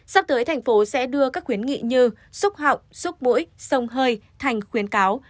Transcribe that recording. sắp tới thành phố sẽ đưa các khuyến nghị như xúc họng xúc mũi sông hơi thành khuyến cáo